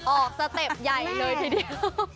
สเต็ปใหญ่เลยทีเดียว